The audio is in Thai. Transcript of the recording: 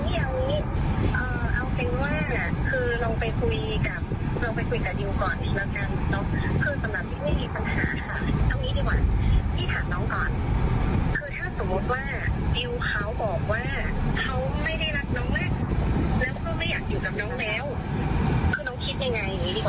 คือสำหรับที่ไม่มีปัญหาค่ะเอาอย่างนี้ดีกว่าพี่ถามน้องก่อน